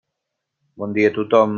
Bon dia a tothom.